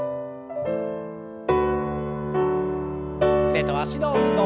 腕と脚の運動。